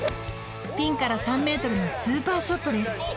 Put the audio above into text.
ピンから３ｍのスーパーショットです